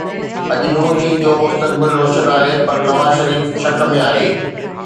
اڄ نون ليگ جو مستقبل روشن آهي پر نواز شريف شڪ ۾ آهي